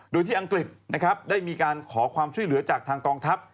โดยที่อังกฤษนะครับได้มีการขอความช่วยเหลือจากทางกองทัพ